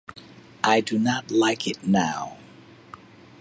I do not like it now.